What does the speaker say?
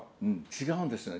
違うんですよね